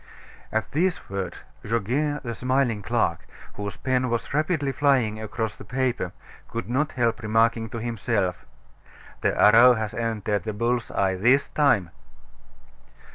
At these words, Goguet, the smiling clerk, whose pen was rapidly flying across the paper, could not help remarking to himself: "The arrow has entered the bull's eye this time!"